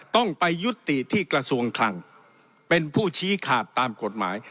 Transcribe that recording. ต้องไปยุติที่กระทรวงคลังเป็นผู้ชี้ขาดตามกฎหมาย